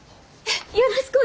よろしくお願いします！